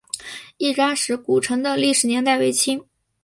亦扎石古城的历史年代为清。